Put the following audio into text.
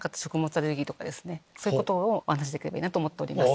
そういうことをお話しできればいいなと思ってます。